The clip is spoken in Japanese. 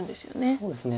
そうですね。